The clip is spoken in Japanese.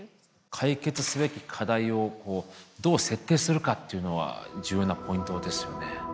解決すべき課題をどう設定するかっていうのは重要なポイントですよね。